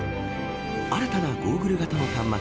新たなゴーグル型の端末